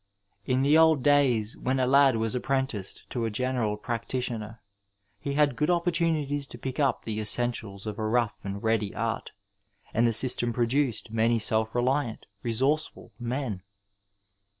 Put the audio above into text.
In the dd days when a lad was apprenticed to a general practitioner, he had good opportunities to pick up the essentials of a rough and ready azt, and the system produced many self reliant, resource ful men.